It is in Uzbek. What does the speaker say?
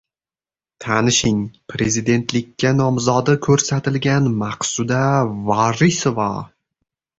Tanishing. Prezidentlikka nomzodi ko‘rsatilgan Maqsuda Varisova